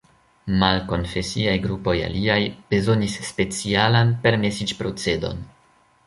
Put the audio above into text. Malkonfesiaj grupoj aliaj bezonis specialan permesiĝprocedon.